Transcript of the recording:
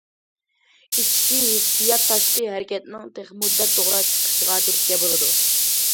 ئىچكى ھېسسىيات تاشقى ھەرىكەتنىڭ تېخىمۇ دەل، توغرا چىقىشىغا تۈرتكە بولىدۇ.